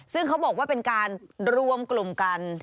ซึ่งเขาบอกว่าเป็นการรวมกลุ่มกัน